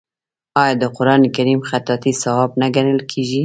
آیا د قران کریم خطاطي ثواب نه ګڼل کیږي؟